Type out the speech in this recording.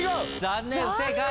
残念不正解。